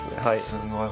すごい。